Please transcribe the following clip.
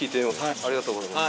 ありがとうございます。